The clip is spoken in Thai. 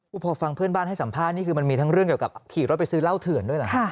พอฟังเพื่อนบ้านให้สัมภาษณ์นี่คือมันมีทั้งเรื่องเกี่ยวกับขี่รถไปซื้อเหล้าเถื่อนด้วยเหรอ